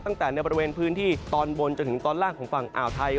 ตั้งแต่ในบริเวณพื้นที่ตอนบนจนถึงตอนล่างของฝั่งอ่าวไทย